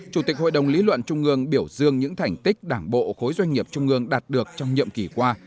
chủ tịch hội đồng lý luận trung ương biểu dương những thành tích đảng bộ khối doanh nghiệp trung ương đạt được trong nhiệm kỳ qua